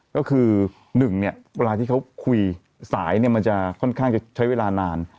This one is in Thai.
ก็คือ๑เนี่ยเวลาที่เขาคุยสายเนี่ยมันจะค่อนข้างจะใช้เวลานาน